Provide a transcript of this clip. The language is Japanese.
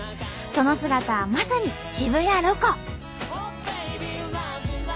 その姿はまさに渋谷ロコ。